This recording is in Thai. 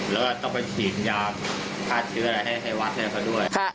แล้วก็ต้องไปฉีดยาฆ่าเชื้ออะไรให้วัดให้เขาด้วย